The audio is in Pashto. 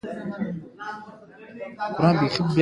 د زابل په شاجوی کې د کرومایټ نښې شته.